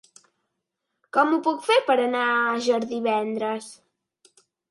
Com ho puc fer per anar a Àger divendres?